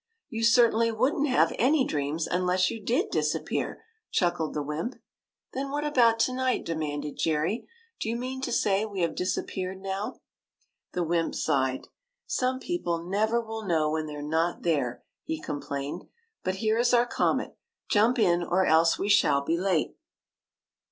" You certainly would n't have any dreams unless you did disappear," chuckled the wymp. '' Then what about to night ?" demanded Jerry. '' Do you mean to say we have disap peared now ?" The wymp sighed. '' Some people never will know when they 're not there," he com plained. '* But here is our comet; jump in, or else we shall be late."